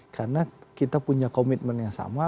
karena kita punya komitmen yang sama